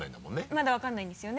まだ分からないんですよね。